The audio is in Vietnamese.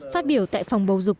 phát biểu tại phòng bầu dục